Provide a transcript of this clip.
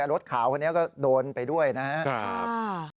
รถขาวคนนี้ก็โดนไปด้วยนะครับ